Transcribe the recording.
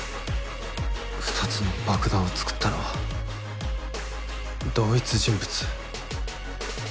ふたつの爆弾を作ったのは同一人物。